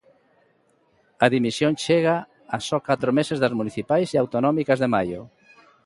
A dimisión chega a só catro meses das municipais e autonómicas de maio.